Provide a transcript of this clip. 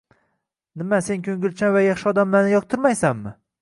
Nima, sen ko`ngilchan va yaxshi odamlarni yoqtirmaysanmi